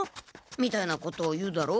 みたいなことを言うだろ？